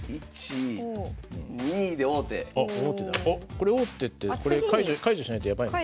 これ王手って解除しないとやばいのか。